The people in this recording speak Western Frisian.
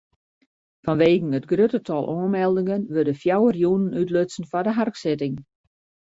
Fanwegen it grutte tal oanmeldingen wurde fjouwer jûnen útlutsen foar de harksitting.